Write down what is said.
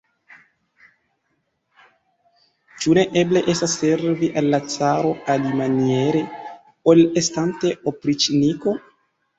Ĉu ne eble estas servi al la caro alimaniere, ol estante opriĉniko?